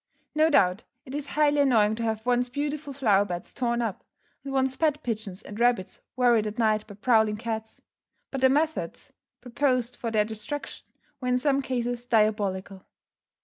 No doubt it is highly annoying to have one's beautiful flower beds torn up, and one's pet pigeons and rabbits worried at night by prowling cats. But the methods proposed for their destruction were in some cases diabolical.